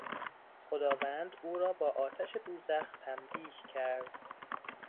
خداوند او را با آتش دوزخ تنبیه کرد.